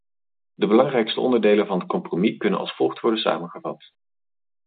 De belangrijkste onderdelen van het compromis kunnen als volgt worden samengevat.